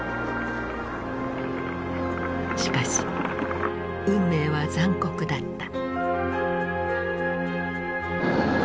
しかし運命は残酷だった。